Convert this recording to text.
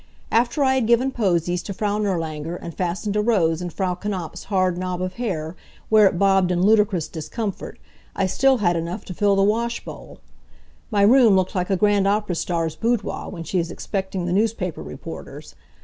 After I had given posies to Frau Nirlanger, and fastened a rose in Frau Knapf's hard knob of hair, where it bobbed in ludicrous discomfort, I still had enough to fill the washbowl. My room looked like a grand opera star's boudoir when she is expecting the newspaper reporters.